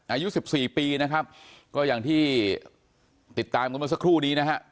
อายุสิบสี่ปีนะครับก็อย่างที่ติดตามกันเมื่อสักครู่นี้นะฮะ